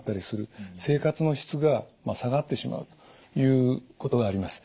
生活の質が下がってしまうということがあります。